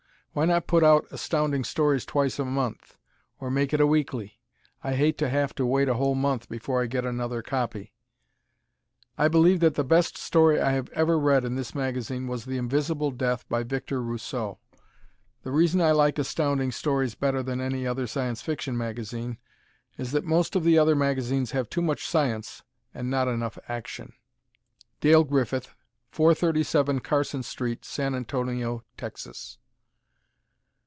Why not put out Astounding Stories twice a month, or make it a weekly? I hate to have to wait a whole month before I get another copy. I believe that the best story I have ever read in this magazine was "The Invisible Death," by Victor Rousseau. The reason I like Astounding Stories better than any other Science Fiction magazine is that most of the other magazines have too much science and not enough action. Dale Griffith, 437 Carson St., San Antonio, Texas.